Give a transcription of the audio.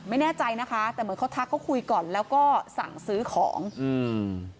ไม่แน่ใจนะคะแต่เหมือนเขาทักเขาคุยก่อนแล้วก็สั่งซื้อของอืม